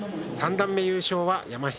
三段目優勝が山響